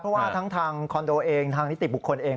เพราะว่าทั้งทางคอนโดเองทางนิติบุคคลเอง